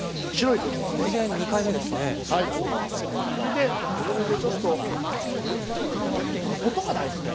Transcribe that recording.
それでこれでちょっとこの音が大事だね。